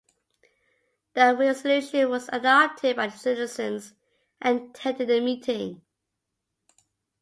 The resolution was adopted by the citizens attending the meeting.